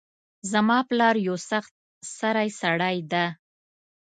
زما پلار یو سخت سرۍ سړۍ ده